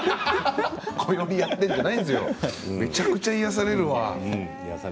めちゃくちゃ癒やされる。